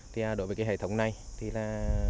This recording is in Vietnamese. thì đối với cái hệ thống này thì là